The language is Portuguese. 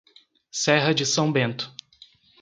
Serra de São Bento